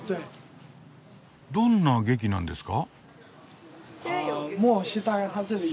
どんな劇なんですか？